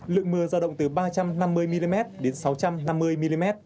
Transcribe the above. lượng mưa giao động từ ba trăm năm mươi mm đến sáu trăm năm mươi mm